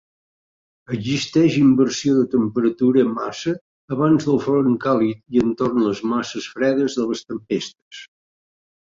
Existeix inversió de temperatura massa abans del front càlid i entorn les masses fredes de les tempestes.